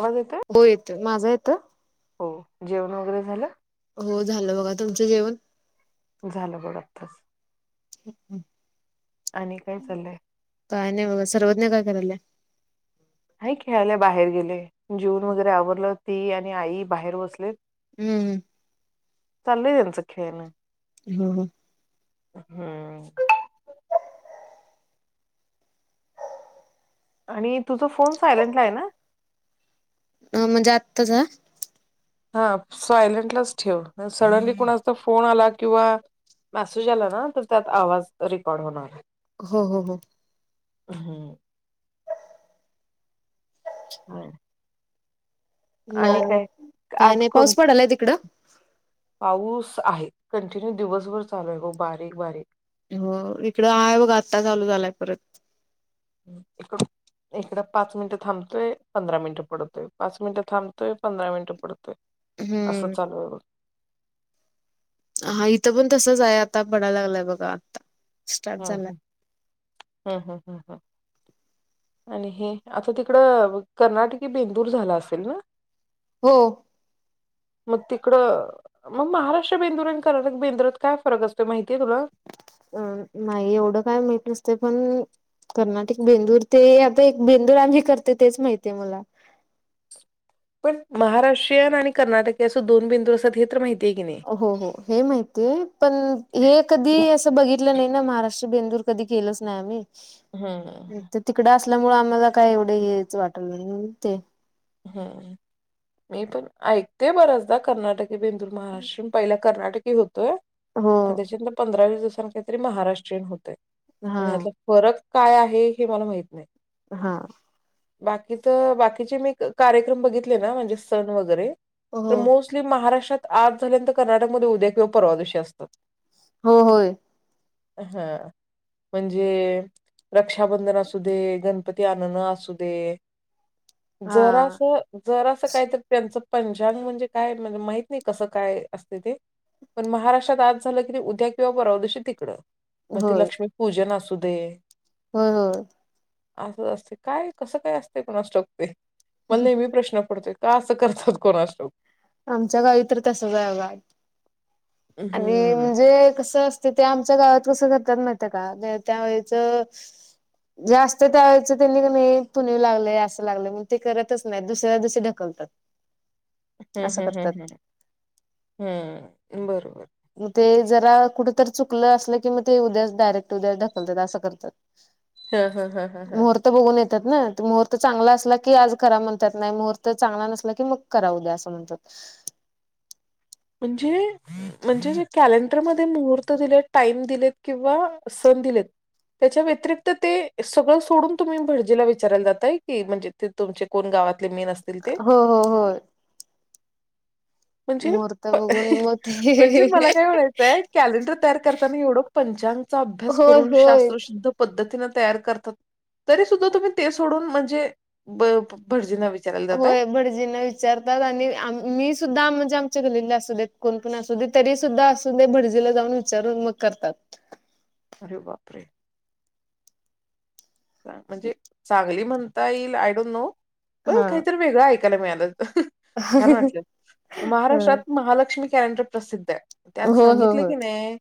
आवाज येतोय? हो येत माझा येतं. हो जेवण वगैरे झालं. हो झालं बघा तुमचं जेवण झालं ब आत्ताच. हम् हम्. आणि काय चाललंय. काय नाही ब सर्वज न काय करायलय हाय खेळायला बाहेर गेले जीवन वगैरे आवरलं ती आणि आई बाहेर बसले. हम्म. चाले दिन सिखेने हो. हम्म. आणि तुझ फोन सायलेंटला आहे ना. हो म्हणजे आत्ताच. हा सायलेंटलाच ठेव सडनली कणाचा फोन आला किंवा मेसेज आला ना तर त्यात आवाज रेकॉर्ड होणार. हा ह ह. हम्. आणि नाही नाही काय? काय आज नाही कोण पाऊस पडलाय तिकडं. पाऊस आहे कंटिन्यू दिवसभर चालू आहे ग बारीक बारीक हो इकड आहे बघ आता चालू झालाय परत ह. इकडं पाच मिनटं थांबतोय पंधरा मिनिट पडतोय पाच मिनिटं थांबतोय पंधरा मिनिट पडतय. असं हम्म चालू. हा इथं पण तसच आहे आता पडाला लागलाय बघा आता हा हम हा हा हा हा. आणि हे आता तिकडं कर्नाटकी बेंदूर झाला असेल ना. हो. मग तिकडं मग महाराष्ट्र बेंदुर आणि क बेंदुरात काय फरक असते माहि अं नाही एवढं काय माहित नसते. पण कर्नाटिक बेंदूर ते आता एक बेंदूर आणि करते तेच माहित आहे मला. [inaudible] महाराष्ट्रीयन आणि कर्नाटक अस दोन बिंदू असतात हे तर माहिती. हो हो हे माहितीय पण हे कधी असं बघित लं नाही ना महाराष्ट्र बेंदूर कधी केलंच नाही आम्ही हम त्यामुळे आम्हाला काय एवढे हेच वाटल ते हम् मी पण ऐकते बराचदा कर्नाटकी बेंदूर महाराष्ट्र पहिला कर्नाटकी होतोय हो आणि त्याच्यानंतर पंधरा वीस दिवसां काहीतरी महाराष्ट्रीयन होतंय हा पण यातला फरक काय आहे हे मला माहित नाही. हा बाकी तर बाकीचे मी कार्यक्रम बघितले ना म्हणजे सण वगैरे हो तर मोस्टली महाराष्ट्रात आज झाल्यानंतर कर्नाटकमध्ये उद्या किंवा परवा दिवशी असतात. हो होय. हा म्हणजे रक्षाबंधन असू दे, गणपती आणन असू दे हा जरा असं जरा असं काहीत त्यांचं पंचांग म्हणजे काय म्हणजे माहित नाही कसं काय असते ते पण महाराष्ट्रात आज झालं करी उद्या किंवा परवदिवशी तिकडं मग ते लक्ष्मीपूजन असू दे. हो हो असं असते काय कसं काय असते कोणास ठाऊक ते मण नेहमी प्रश्न पडतोय. का असं करतात कोणास ठाऊक. आमच्या गावी तर तसच आहे बघा. आणि हं. म्हणजे कस असते ते आमच्या गावात कस करतात तर माहित आहे का त्यावेळेस च जास्त त्यावेळेच त्यांनी नाही का नाही पुणेव लागलं असं लागलंय मग ते करतच नाही दुसऱ्य दिवशी ढकलतात. [inaudible] हम् असं हम करतात हम हम हम् बरोबर मग ते जरा कुठ तरी चुकलं असलं की मग ते उद्याच डायरेक्ट उद्या ढकलतात असं करतात. हा हा हा हा हा त्यांना मुहूर्त चांगला असला की आज करा म्हणतात नाही मुहूर्त चांगला नसला की मग कराऊ द्या असं म्हणतात. [inaudible] म्हणजे, म्हणजे जे कॅलेडर मध्ये मुहूर्त दिले टाइम दिलेत किंवा सण दिलेत त्याच्या व्यतिरिक्त ते सगळं सोडून तुम्ही भटजीला विचारायला जातय की म्हणजे ते तुमचे कोण गावात हो हो हो - म्हणजे मुहूर्त प बघून म ते म्हणजे मला काय म्हणायचंय कॅलेंडर तयार करताना एवढं पंचांगचा अभ्यास होय करून होय शास्त्रशुद्ध पद्तीन तयार करतात तरी सुद्धा तुम्ही ते सोडून म्हणजे ब भटजींना विचारायला जाताय होय भटजीना विचारतात आणि मी सुद्धा म्हणजे कोण पण असू तरी सुद्धा अस भडजीला जाऊन विचारून मग करतात. अरे बाप रे म्हणजे चांगली म्हणता येईल आय डोंट नो पण हा काहीतरी वेगळं ऐकायला मिळालं. छान वाटलं ह महाराष्ट्रात महालक्ष्मी कॅलेंडर प्रसिद्ध आहे. हो त्यात हो सांगितलं हो की नाही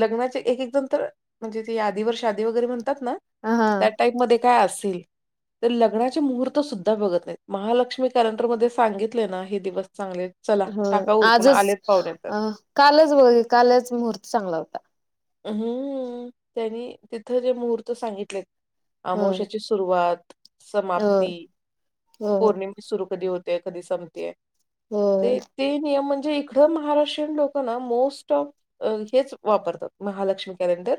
लग्नाचे एक एक जण तर म्हणजे ते यादीवर शादी वगैरे म्हणतात ना हा त्या टाईप मध्ये काय असेल तर लग्नाची मुहूर्त सुद्धा बघत नाही महालक्ष्मी कॅलेंडरमध्येध्ये सांगितले ना हे दिवस चांगले आहेत, चला हो टाका उरकून आजच आलेत पाहुणे तर. अ कालच ब कालच मुहूर्त चांगला होता हम्म त्यांनी तिथं जे मुहूर्त सांगितले होय अमोशाची सुरुवात होय समाप्ती होय पौर्णिमे सुरू क म्ह म्हणजे इकडं महाराष्ट्रीयन लोकं ना मोस्ट ऑफ हेच वापरतात महालक्ष्मी कॅलेंडर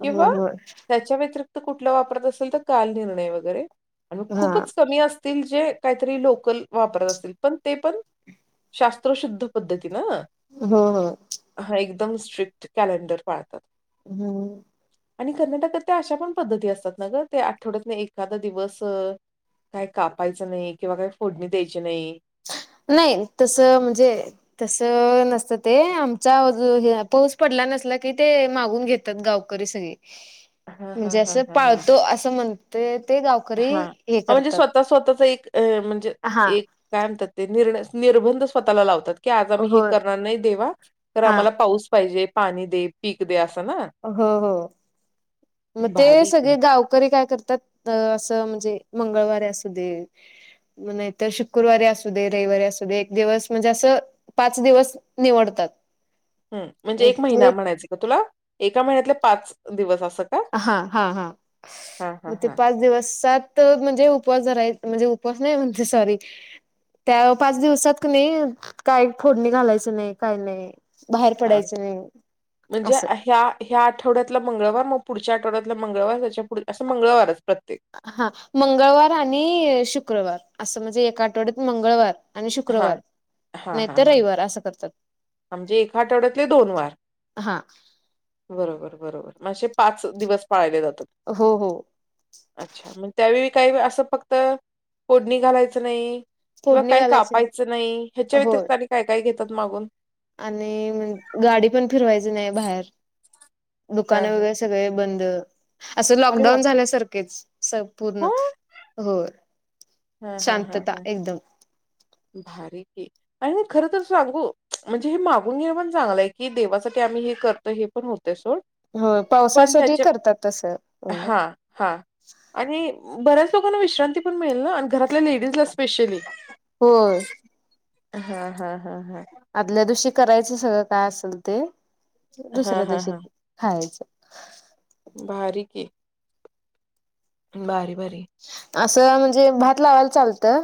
होय होय किंवा होय त्याच्या व्यतिरिक्त कुठला वापरत असेल तर काल निर्णय वगैरे आणि हा खूपच कमी असत जे काहीतरी लोकल वापरत असतील पण ते पण शास्त्रशुद्ध पद्धती होय होय हा एकदम स्ट्रिक्ट कॅलेंडर पाळतात हम्म आणि कर्नाटकात त्या अशा पण पद्धती असतात ना ग ते आठवड्यात एखादा दिवस काही कापायचं नाही किंवा काही फोडणी द्यायची नाही नाही तस म्हणजे तस नसतं ते आमच्या पाऊस पड ला नसला की ते मागून घेतात गावकरी सगळी हां, हां, म्हणजे असं पाळतो असं म्हणते ते गावकरी हा हे म्हणजे करतात. स्वतः स्वतःच एक म्हणजे हा एक काय म्हणतात ते निर्णय निर्बंध स्वतःला लावतात की आज आम्ही हे होय करणार नाही देवा तर हा आम्हाला पाऊस पाहिजे पाणी दे पीक दे अस हो हो मग ते भारी आहे. सगळे गावकरी कातात अस म्हणजे मंगवारी अस दे शुक्रवारी अस रविव एक दिवस म्हणजे अस पाच दिवस निवडतात ह म्हणजे एक महिना ते म्हणायच का तुला एका महिन्यातले पाच दिवस का? हा हा हा हां, हां, मग ते हां, पाच दिवसात तर म्हणजे उपवास जराय म्हणजे उपस नाही म्हणजे सॉरी त्या पाच दिवसात क नाही काय फोडणी घालायच नाही काय नाही बाहेर हा पडायचं नाही म्हणजे असं ह्या ह्या आठवड्यातला मंगळवार मो पुढच्या आठवड्यातला मंगळवार त्याच्या पुढ असं मंगळवारच प्रत्येक. हा मंगळवार आणि शुक्रवार असं म्हणजे ए आठवड्यात मंगळवार आणि हां, शुक्रवार नाही तर रविवार असं करतात म्हजे ए आठवड्यातले दोन वार हा बरोबर बरोबर पाच दिवस जातचछ हो हो काही असं फक्त फोडणी घालायचं नाही किंवा फोडणी काय घालायची कापायचं नाही ह्याच्या हो व्यतिरिक्त आणि काय काय घेतात मागून आणि गाडी पण फिरवायची नाही बाहेर हां, दुकानं हां. वगैरे सगळे बंद असं अरे लॉकडाऊन बापरे! झाल्यासारखेच संपूर्ण हो. हो- शांतता एकदम- भारीकी आहे आणि खर तर सांगू म्हणजे हे मागून घे पण चांगलंय की देवासाठी- आणि हे करतो हे पण होत- हो [inaudible] पण पावसासाठी त्या करतात तसं हा- हा आणि बऱ्याच लोकांना विश्रांती पण मिळेल ना आणि घरातल्या लेडीजला स्पेशली- हो- हा- हा -हा- हा आदल्या दिवशी करायचं सगळं काय असेल ते हां, दुसऱ्या हां, दिवशी हां. खायचं भारी की- बारी- बरी असं म्हणजे भात लावायला चालतं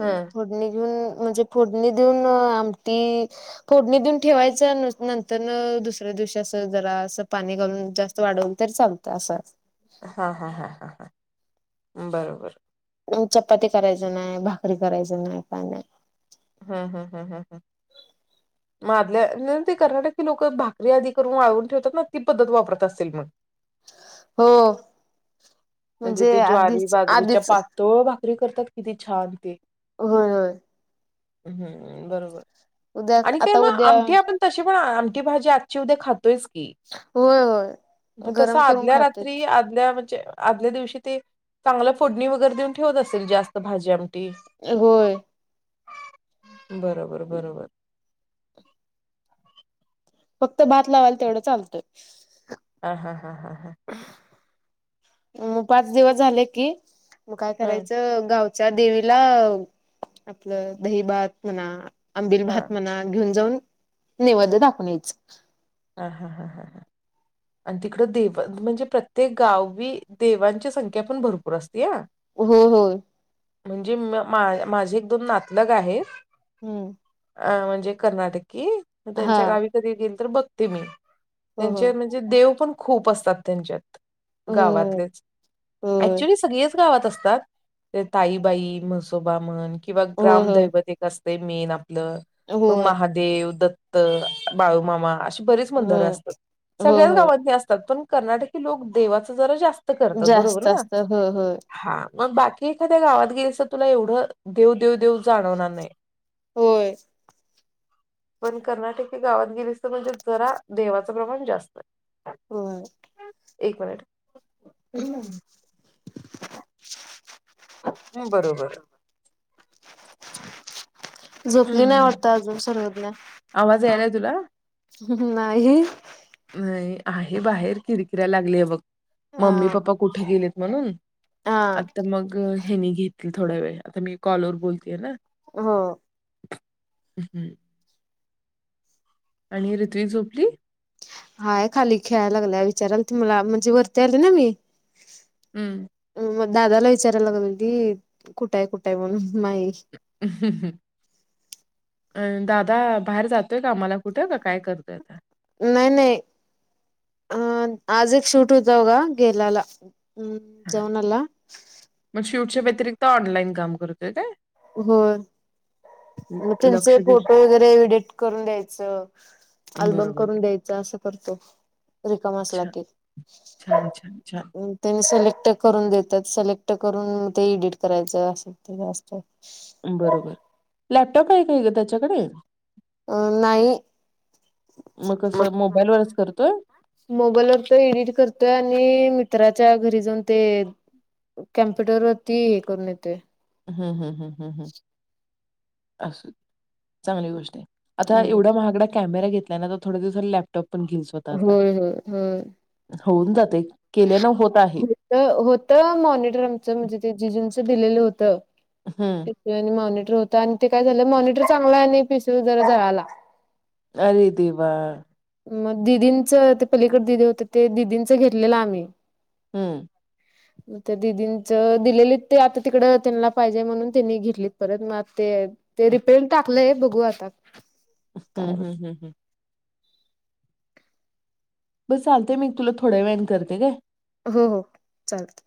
हं. म्हणजे फोडणी देऊन आमटी फोडणी देऊन ठेवायच नंतर न दुसर [inaudible] दिवशी अस जरा अस पाणी घालून जास्त वाढवल तरी चालतं असं- हां, हां, हां, हां, हां. बरोबर चपाती करायच नाही भाकरी करायच नाही का नाही- हं, माधल [inaudible] कर्नाटकी लोक भाकरी आदी करून वाळवून ठेवतात ना ती पद्धत वापरत असेतील मग हो- म्हणजे ते ज्वारी आधीच बाजरीच्या आधीच पातळ भाकरी करतात किती छान ते- हा- ् हम बरोबर आणि काय आता मग उद्या आमठीे आपण तशी पण आ- ठी भाजी आजची उद्या खातोयच की होय होय तस गरम करून आदल्या खाते रात्री आ- आदल्या दिवशी ते चांगलं फोडणी वगैरे देऊन ठेवत असेल जास्त भाज्या- होय- बरोबर -बरोबर फक्त भात लावाला तेवढं चालतय हा -हा- हा -हा मग पाच दिवस झाले कि मग काय हं, करायचं गाव- त्या देवीला आपलं दही-भात म्हणा- आंबिल हां. भात म्हना घेऊन जाऊन नैवद दाखवूण यायच हा -हा- हा -हा -हा आणि तिकड देव म्हणजे प्रत्येक गावी देवांची संख्या पण भरपूर असती ह- हो- हो म्हणजे माझे एक दोन नातलग आहेत हम्म- अ म्हणजे कर्नाटकी हा त्यांच्या गावी कधी येेईल तर बघते मी- हो हो त्यांच्या म्हणजे देव पण खूप असतात त्यांच्यात- होय गावातलेच होय ऍक्च्युली सगळेच- गावात असतात ते ताईबाई म्हसोबा म्हण किंवा होय ग्राम होय दैवत एक असत- मेन आपल होय महादेव दत्त बाळमामा- बरीच मणदर होय असतात होय सगळ्याच होय गावातनी असतात पण कनार्टक लोक देवाच जरा जास्त- ते करतात बरोबर जास्त ना असत होय होय हा- मग बाकी एखाद्या गावात गेलीस तर तुला एवढं देव -देव- देव जाणवणार नाही होय- पण कर्नाटकी हे गावात गेलीस त म्हणजे जरा देवाचं प्रमाण जास्त आहे हो- एक मिनिंट [inaudible] ह् बरोबर- झोपली नाही हम्म वाटत अजून सरर्वज्ञा आवाज यायलाय तुला- नाही नाही आहे बाहेर किरकिरा लागले बघ हा मम्मी पप्पा कुठे गेलेत म्हणून. हा आता मग हेनी घेतील थोडा वेळ आता मी कॉलवर बोलतेय ना. हो [unintelligible] आणि रित्वी झोपली! हाय खाली खेळायला लागला विचाराला त मला म्हणजे वरती आली ना मी हम्म मग दादाला विचारायला लागल की कुठ आहे कुठं आहे म्हणून माही ह ह [unintelligible] अं दादा बाहेर जातोय कामाला कुठं का काय करतोय आता नाही नाही अं आज एक शूट होत होघ गेल्याला मग शूटच्या व्यतिरिक्त ऑनलाईन काम करतय का हो [unintelligible] मग त्यांचे लक्ष देऊन फोटो वगैरे एडिट करून द्यायचं अल्बम बरोबर करून द्यायच असं करतो रिकम असला छान कि छान छान छान [unintelligible] करून देतात सिलेक्ट करून ते एडिट करायचं असेल ते जास्त बरोबर लॅपटॉप आहे का त्याच्याकडे अं नाही! मग कसं मोबाईलवरच करतोय? मोबाईलवर तर एडिट करतोय आणि मित्रां च्या घरी जाऊन ते कम्प्युटर वरती हे करून येतय. असू चांगली गोष्ट हें. आता एवढा महागडा कॅमेरा घेतलाय ना तर थोड्या दिवसात लॅपटॉप पण घेईल स्वतःचा. होय होय होय. होऊन जातय. होत होत मॉनिटर आमचं म्हणजे ते जिजुंचं दिलेलं होतं. हं. [unintelligible] हो आणि ते काय झालं मॉनटर चांगलं आहे नाही पिस जरा जळाला. अरे देवा! मग दिदींचं ते पलीकड दिदी होते ते दिदींच घेतलेलं आम्ही हम्म. तं दिदींच दिलेली ते आता तिकड त्यांना पाहिजे म्हणून तिने घेतलीत परत मग आता ते ते रिपेन टाकलंय बघू आता काय [unintelligible] बस चालतेय मी तुला थोड्यावेळाने करते काय? हो हो चालत.